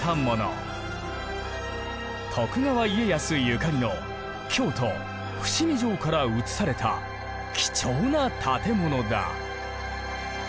徳川家康ゆかりの京都伏見城から移された貴重な建物だ。